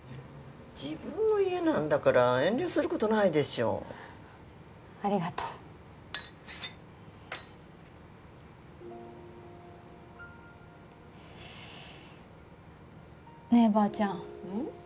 自分の家なんだから遠慮することないでしょありがとねえばあちゃんうん？